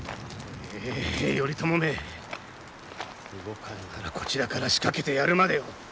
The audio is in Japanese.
動かぬならこちらから仕掛けてやるまでよ。